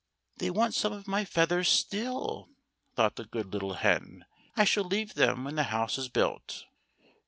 "They want some of my feathers still," thought the good little hen. "I shall leave them when the house is built."